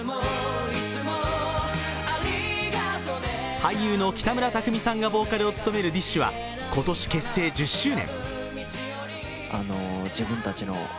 俳優の北村匠海さんがボーカルを務めるＤＩＳＨ／／は今年結成１０周年。